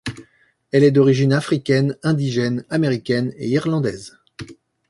Elle est d'origines africaine, indigène, américaine et irlandaise.